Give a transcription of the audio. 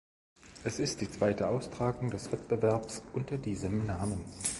Es ist die zweite Austragung des Wettbewerbs unter diesem Namen.